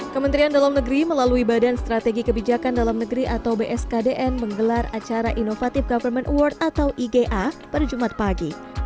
kementerian dalam negeri melalui badan strategi kebijakan dalam negeri atau bskdn menggelar acara inovatif government award atau iga pada jumat pagi